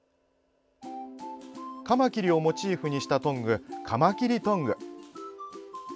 かまきりをモチーフにしたトングカマキリトング。